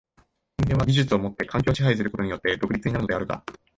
人間は技術をもって環境を支配することによって独立になるのであるが、